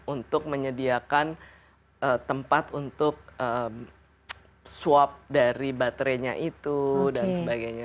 untuk menyediakan tempat untuk swap dari baterainya itu dan sebagainya